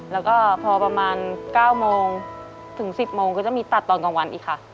แล้วก็พอประมาณ๙โมงถึง๑๐โมงก็จะมีตัดตอนกลางวันอีกค่ะ